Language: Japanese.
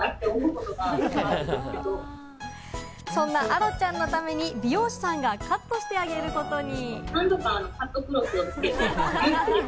そんなアロちゃんのために美容師さんがカットしてあげることに。